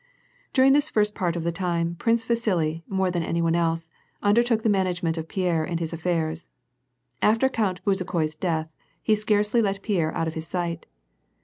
During this first part of the time, Prince Vasili, more than any one else, undertook the management of Pierre and his affairs. After Count Bezukhoi's death, he scarcely let Pierre out of his sight.